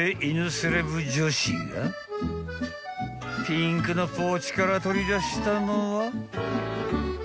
［ピンクのポーチから取り出したのは］